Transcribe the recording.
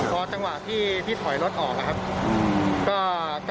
พอจังหวะที่พี่ถอยรถออกนะครับ